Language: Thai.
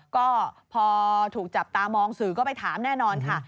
ก็พอถูกจับตามองสื่อก็ไปถามแน่นอนค่ะ